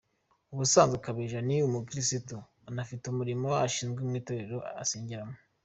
Ubusanzwe Kabeja ni umukirisitu unafite imirimo ashinzwe mu itorero asengeramo.